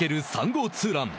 ３号ツーラン。